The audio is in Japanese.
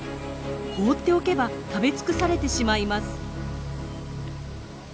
放っておけば食べ尽くされてしまいます。